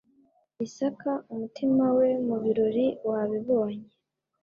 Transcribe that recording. Isaka umutima we mu birori wabibonye